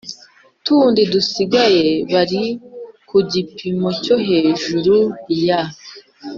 tundi dusigaye bari ku gipimo cyo hejurui ya